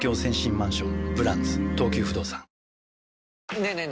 ねえねえ